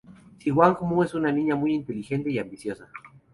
Si Wang-mu es una niña muy inteligente y ambiciosa.